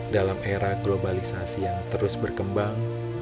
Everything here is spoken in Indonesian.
dalam era globalisasi yang terus berkembang